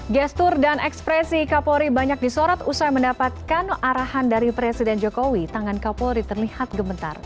gestur dan ekspresi kapolri banyak disorot usai mendapatkan arahan dari presiden jokowi tangan kapolri terlihat gementar